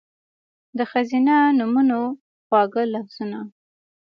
د ښځېنه نومونو، خواږه لفظونه